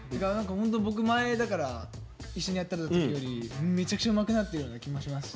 僕前だから一緒にやってた時よりめちゃくちゃうまくなってるような気もしますし。